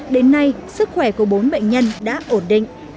đến nay sức khỏe của bốn bệnh nhân đã ổn định